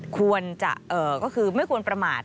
ควรจะก็คือไม่ควรประมาท